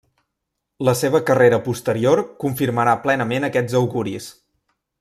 La seva carrera posterior confirmarà plenament aquests auguris.